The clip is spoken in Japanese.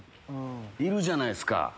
いるじゃないっすか。